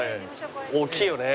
大きいよね。